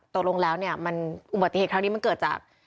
ตกลงแล้วเนี่ยมันอุบัติเหตุครั้งนี้มันเกิดจาก